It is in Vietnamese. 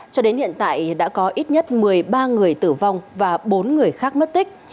cho đến hiện tại đã có ít nhất một mươi ba người tử vong và bốn người khác mất tích